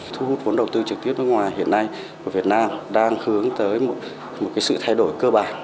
thu hút vốn đầu tư trực tiếp nước ngoài hiện nay của việt nam đang hướng tới một sự thay đổi cơ bản